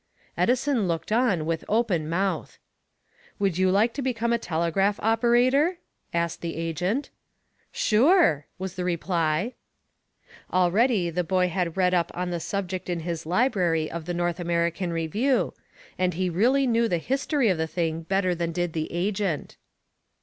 Edison looked on with open mouth. "Would you like to become a telegraph operator?" asked the agent. "Sure!" was the reply. Already the boy had read up on the subject in his library of the "North American Review," and he really knew the history of the thing better than did the agent.